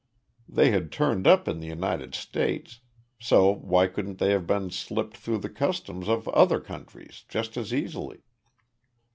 They had turned up in the United States, so why couldn't they have been slipped through the customs of other countries just as easily?